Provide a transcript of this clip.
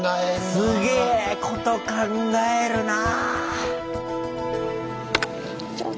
すげぇこと考えるな！